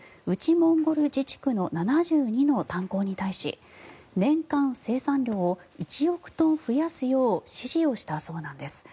モンゴル自治区の７２の炭鉱に対し年間生産量を１億トン増やすよう指示をしたそうなんです。